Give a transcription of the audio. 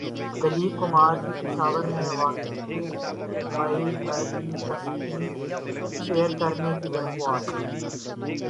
دلیپ کمار کی پشاور میں واقع بائی گھر کی تصاویر شیئر کرنے کی درخواست